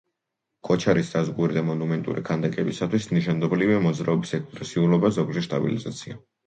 ქოჩარის დაზგური და მონუმენტური ქანდაკებისათვის ნიშანდობლივია მოძრაობის ექსპრესიულობა, ზოგჯერ სტილიზაცია.